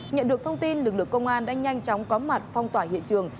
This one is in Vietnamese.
nhận được thông tin lực lượng công an đã nhanh chóng có mặt phong tỏa hiện trường